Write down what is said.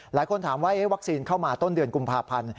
หลายคนถามว่าวัคซีนเข้ามาต้นเดือนกุมภาพันธ์